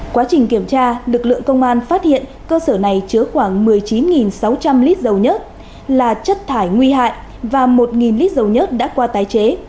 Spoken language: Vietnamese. quá trình kiểm tra lực lượng công an phát hiện cơ sở này chứa khoảng một mươi chín sáu trăm linh lít dầu nhất là chất thải nguy hại và một lít dầu nhất đã qua tái chế